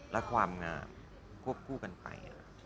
และความงามควบคู่กันไป